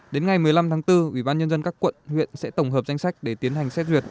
đến ngày một mươi năm tháng bốn ubnd các quận huyện sẽ tổng hợp danh sách để tiến hành xét duyệt